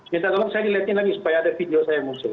minta tolong saya di let in lagi supaya ada video saya musuh